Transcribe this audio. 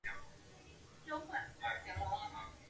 短刺筐形蟹为馒头蟹科筐形蟹属的动物。